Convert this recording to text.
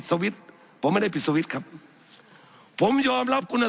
สับขาหลอกกันไปสับขาหลอกกันไป